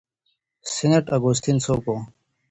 سینټ اګوستین څوک و؟